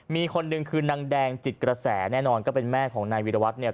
มีคนหนึ่งคือนางแดงจิตกระแสแน่นอนก็เป็นแม่ของนายวิรวัตรเนี่ย